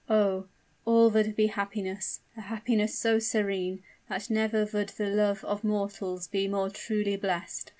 Oh! all would be happiness a happiness so serene, that never would the love of mortals he more truly blessed!